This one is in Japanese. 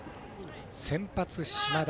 先発、島田。